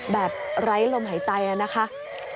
แบบไร้ลมหายใจนะครับ